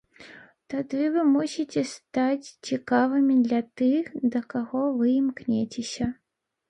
Тады вы мусіце стаць цікавымі для тых, да каго вы імкняцеся.